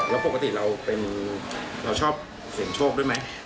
แล้วปกติเราเป็นเราชอบเสียงโชคด้วยไหม